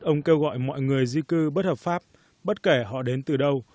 ông kêu gọi mọi người di cư bất hợp pháp bất kể họ đến từ đâu